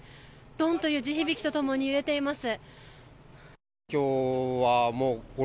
どんという地響きとともに揺れています。